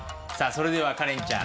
それではカレンちゃん